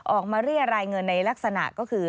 เรียรายเงินในลักษณะก็คือ